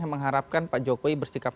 yang mengharapkan pak jokowi bersikap